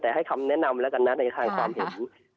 แต่ให้คำแนะนำแล้วกันนะในทางความเห็น